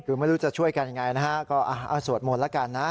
คือไม่รู้จะช่วยกันยังไงนะฮะก็สวดมนต์แล้วกันนะ